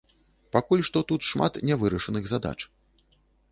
Пакуль што тут шмат нявырашаных задач.